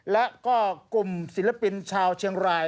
และก็กลุ่มศิลปินชาวเชียงราย